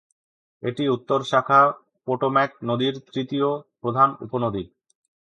এটি উত্তর শাখা পোটোম্যাক নদীর তৃতীয় প্রধান উপনদী।